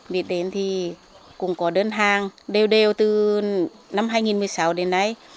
biết đến thì cũng có đơn hàng đều đều từ năm hai nghìn một mươi sáu đến nay